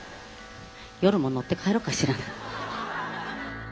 夜も乗って帰ろうかしら」。